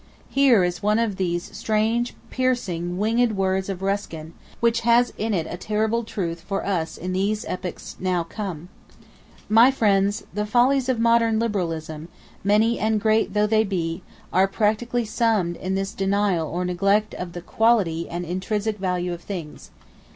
Here is one of those strange, piercing, winged words of Ruskin, which has in it a terrible truth for us in these epochs now come: "My friends, the follies of modern Liberalism, many and great though they be, are practically summed in this denial or neglect of the quality and intrinsic value of things.